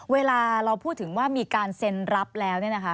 เวลาเราพูดถึงว่ามีการเซ็นรับแล้วเนี่ยนะคะ